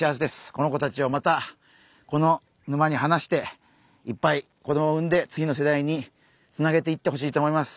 この子たちをまたこのぬまに放していっぱい子どもを産んで次の世代につなげていってほしいと思います。